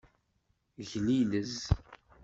Glilez.